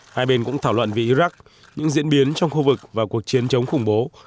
hai bên cũng thảo luận về iraq những diễn biến trong khu vực và cuộc chiến chống khủng bố